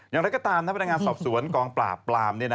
อย่างไรก็ตามพนักงานสอบสวนกองปราบปราม